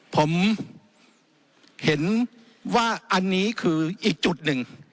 ผมเห็นว่าอันนี้คืออีกจุดหนึ่ง